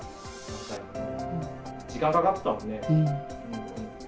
時間かかってたもんね。